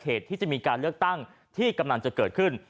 ของผู้สินการที่มีการเลือกตั้งที่กำลังจะเกิดขึ้น